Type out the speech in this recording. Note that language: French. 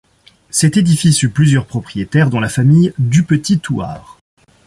Cet édifice eut plusieurs propriétaires, dont la famille Dupetit-Thouars.